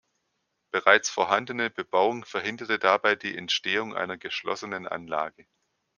Bereits vorhandene Bebauung verhinderte dabei die Entstehung einer geschlossenen Anlage.